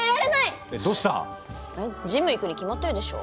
どうした⁉えっジム行くに決まってるでしょ。